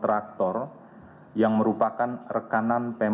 pertama di kebupaten kebumen di kebupaten kebumen di kebupaten kebumen